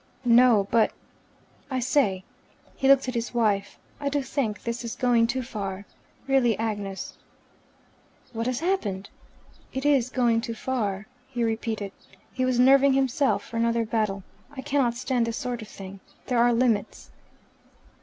"No. But, I say," he looked at his wife, "I do think this is going too far. Really, Agnes." "What has happened?" "It is going too far," he repeated. He was nerving himself for another battle. "I cannot stand this sort of thing. There are limits."